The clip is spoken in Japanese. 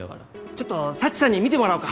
ちょっと佐知さんに見てもらうか。